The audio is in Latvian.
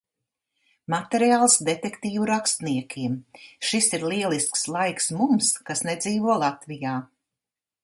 Materiāls detektīvu rakstniekiem. Šis ir lielisks laiks mums, kas nedzīvo Latvijā.